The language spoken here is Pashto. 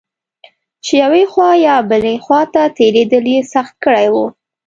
چې یوې خوا یا بلې خوا ته تېرېدل یې سخت کړي و.